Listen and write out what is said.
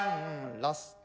ラスト。